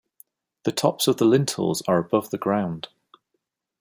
The tops of the lintels are above the ground.